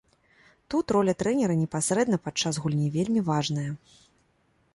Тут роля трэнера непасрэдна падчас гульні вельмі важная.